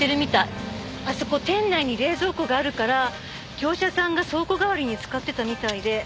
あそこ店内に冷蔵庫があるから業者さんが倉庫代わりに使ってたみたいで。